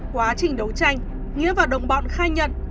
quá trình đấu tranh nghĩa và đồng bọn khai nhận